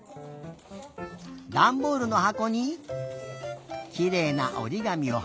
ダンボールのはこにきれいなおりがみをはりあわせて。